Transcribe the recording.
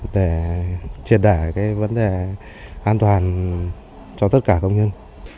để triệt đẩy vấn đề an toàn cho tất cả công nhân